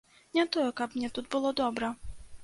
Не тое каб мне тут было добра.